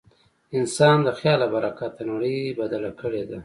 انسان د خیال له برکته نړۍ بدله کړې ده.